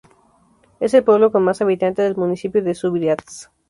Es el pueblo con mas habitantes del municipio de Subirats.